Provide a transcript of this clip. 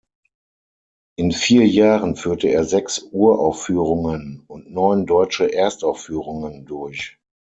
In vier Jahren führte er sechs Uraufführungen und neun deutsche Erstaufführungen durch.